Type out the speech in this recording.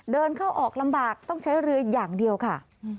เดินเข้าออกลำบากต้องใช้เรืออย่างเดียวค่ะ